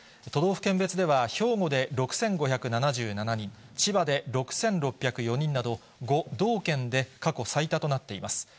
都道府県別では兵庫で６５７７人、千葉で６６０４人など、５道県で過去最多となっています。